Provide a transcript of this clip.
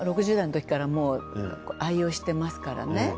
６０代のときからもう愛用してますからね。